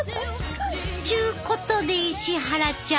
ちゅうことで石原ちゃん。